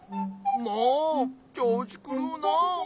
もうちょうしくるうなあ。